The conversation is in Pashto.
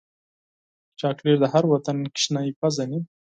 چاکلېټ د هر وطن ماشوم پیژني.